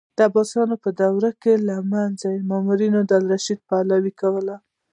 ده د عباسي ورونو له منځه د مامون الرشید پلوي کوله.